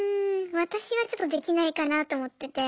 私はちょっとできないかなと思ってて。